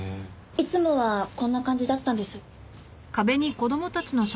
いつもはこんな感じだったんです。